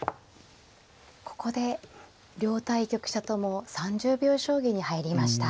ここで両対局者とも３０秒将棋に入りました。